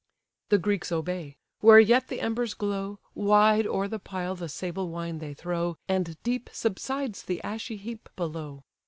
The Greeks obey; where yet the embers glow, Wide o'er the pile the sable wine they throw, And deep subsides the ashy heap below.